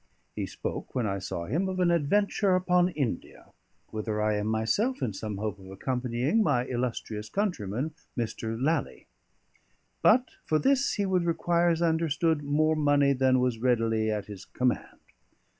He spoke, when I saw him, of an adventure upon India (whither I am myself in some hope of accompanying my illustrious countryman, Mr. Lally); but for this he would require (as I understood) more money than was readily at his command.